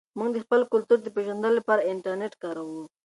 موږ د خپل کلتور د پېژندلو لپاره انټرنیټ کاروو.